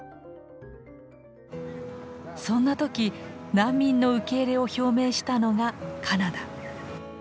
そんな時難民の受け入れを表明したのがカナダ。